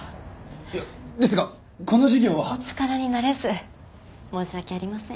いやですがこの事業は。お力になれず申し訳ありません。